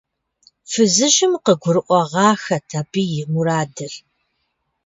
Фызыжьым къыгурыӏуагъэххэт абы и мурадыр.